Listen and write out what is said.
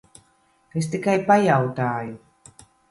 Es tikai pajautāju.